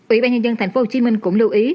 ủy ban nhân dân tp hcm cũng lưu ý